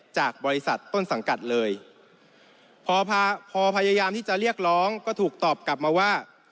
จากบริษัทต้นสังกัดเลยพอพอพยายามที่จะเรียกร้องก็ถูกตอบกลับมาว่า